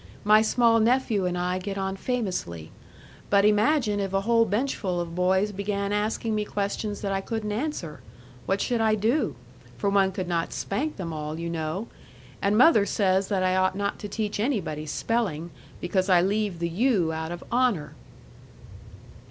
"My small nephew and I get on famously. But imagine if a whole benchful of boys began asking me questions that I couldn't answer! What should I do? For one could not spank them all, you know! And mother says that I ought not to teach anybody spelling, because I leave the U out of HONOR."